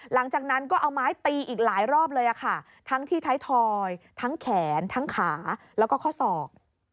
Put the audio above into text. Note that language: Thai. หลังจากนั้นก็เอาไม้ตีอีกหลายรอบเลยค่ะทั้งที่ไทยทอยทั้งแขนทั้งขาแล้วก็ข้อศอก